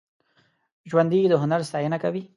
ژوندي د هنر ستاینه کوي